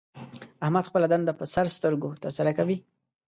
احمد خپله دنده په سر سترګو تر سره کوي.